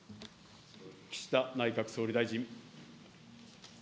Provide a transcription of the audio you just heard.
岸田内閣総理大臣。